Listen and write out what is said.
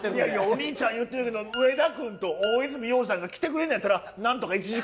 お兄ちゃん言ってるけど上田君と大泉洋さんが来てくれんのやったら。